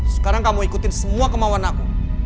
sekarang kamu ikutin semua kemauan aku